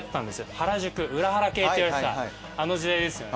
原宿裏原系っていわれてたあの時代ですよね。